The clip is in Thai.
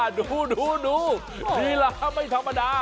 ดูดูดูธีระไม่ธรรมดา